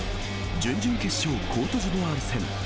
準々決勝コートジボワール戦。